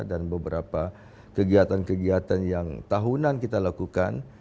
dan beberapa kegiatan kegiatan yang tahunan kita lakukan